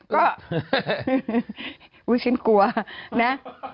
ก็อุ๊ยฉันกลัวนะ